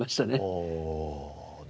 ああなるほど。